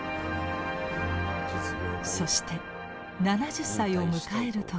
そして７０歳を迎える時。